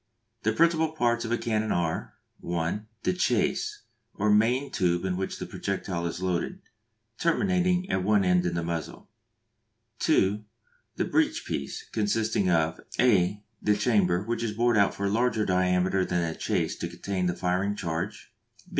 The principal parts of a cannon are: (1) The chase, or main tube into which the projectile is loaded; terminating at one end in the muzzle. (2) The breech piece, consisting of (a) the chamber, which is bored out for a larger diameter than the chase to contain the firing charge.